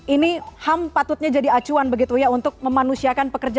ini ham patutnya jadi acuan begitu ya untuk memanusiakan pekerjaan